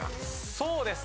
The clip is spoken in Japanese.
そうですね。